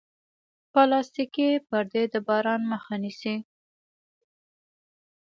پلاستيکي پردې د باران مخه نیسي.